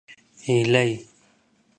هلئ!